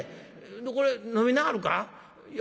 これ飲みなはるか？